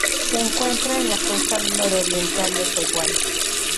Se encuentra en la costa nororiental de Taiwán.